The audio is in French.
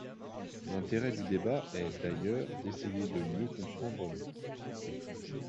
L’intérêt du débat est, d’ailleurs, d’essayer de mieux comprendre l’autre.